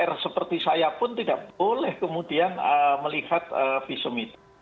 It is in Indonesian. r seperti saya pun tidak boleh kemudian melihat visum itu